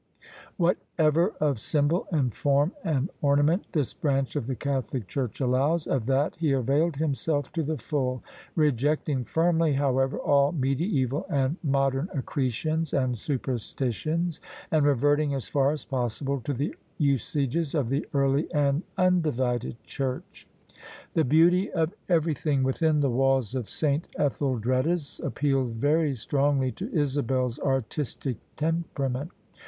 Whatever of symbol and form and ornament this branch of the Catholic Church allows, of that he availed himself to the full : reject ing firmly, however, all mediaeval and modern accretions and superstitions, and reverting as far as possible to the usages of the early and undivided Church. The beauty of everything within the walls of S. Ethel dreda's appealed very strongly to Isabel's artistic tempera ment.